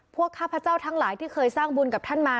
ข้าพเจ้าทั้งหลายที่เคยสร้างบุญกับท่านมา